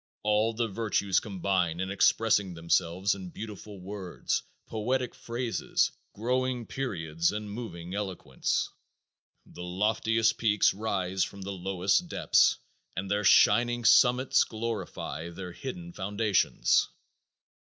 All the virtues combine in expressing themselves in beautiful words, poetic phrases, glowing periods, and moving eloquence. The loftiest peaks rise from the lowest depths and their shining summits glorify their hidden foundations.